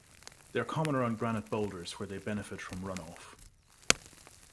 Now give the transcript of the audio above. They are common around granite boulders where they benefit from runoff.